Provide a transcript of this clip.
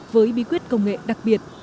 với bí quyết công nghệ đặc biệt